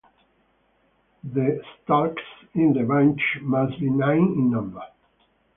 The stalks in the bunch must be nine in number.